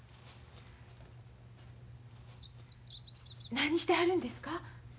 何してはるんですか？